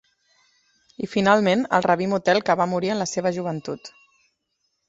I finalment, el rabí Motel que va morir en la seva joventut.